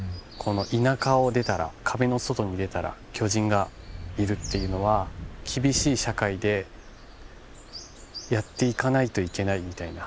この田舎を出たら壁の外に出たら巨人がいるっていうのは厳しい社会でやっていかないといけないみたいな。